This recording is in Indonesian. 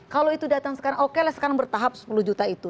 kalau itu datang sekarang oke lah sekarang bertahap sepuluh juta itu